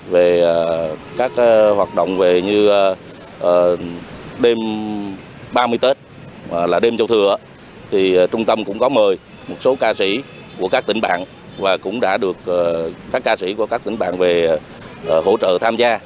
về các hoạt động về như đêm ba mươi tết là đêm châu thừa trung tâm cũng có mời một số ca sĩ của các tỉnh bạn và cũng đã được các ca sĩ của các tỉnh bạn về hỗ trợ tham gia